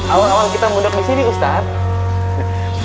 awal awal kita mudik di sini ustadz